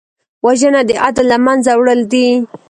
وژنه د عدل له منځه وړل دي